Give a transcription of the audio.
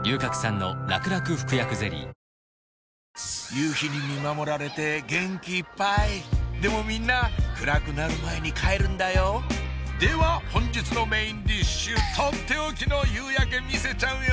夕日に見守られて元気いっぱいでもみんな暗くなる前に帰るんだよでは本日のメインディッシュとっておきの夕焼け見せちゃうよ！